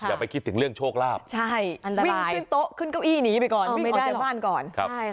อย่าไปคิดถึงเรื่องโชคลาภใช่วิ่งขึ้นโต๊ะขึ้นเก้าอี้หนีไปก่อนวิ่งไปหน้าบ้านก่อน